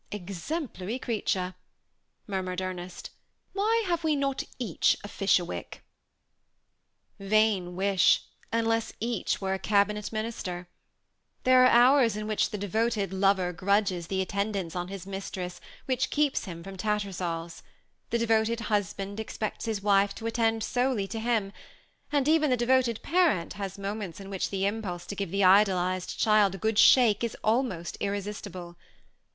"Exemplary creature," murmured Ernest; "why have we not each a Fisherwick?" Vain wish, unless each were a cabinet minister. There are hours in which the devoted lover grudges the attendance on his mistress which keeps him from TattersalFs ; the devoted husband expects his wife to attend solely to him, and even the devoted parent has moments in which the impulse to give the idolized child a good shake is almost irresistible.